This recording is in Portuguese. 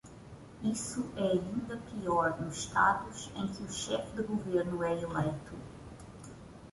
Isso é ainda pior nos estados em que o chefe de governo é eleito.